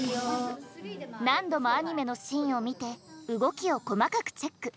何度もアニメのシーンを見て動きを細かくチェック。